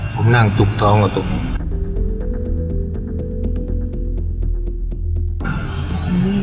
ผมนั่งจุกเท้ามาตรงนี้